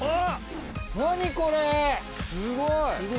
すごい。